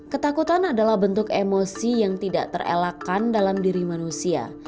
ketakutan adalah bentuk emosi yang tidak terelakkan dalam diri manusia